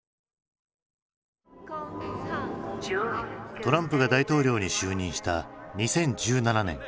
トランプが大統領に就任した２０１７年。